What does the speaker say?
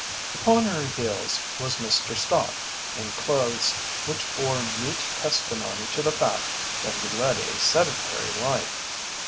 Upon her heels was Mr. Stott, in clothes which bore mute testimony to the fact that he led a sedentary life.